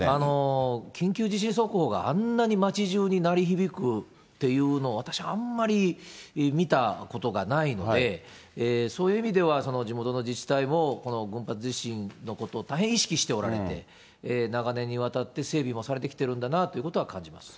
緊急地震速報が、あんなに町じゅうに鳴り響くっていうの、私はあんまり見たことがないので、そういう意味では、地元の自治体も、この群発地震のことを大変意識しておられて、長年にわたって整備もされてきてるんだなということは感じます。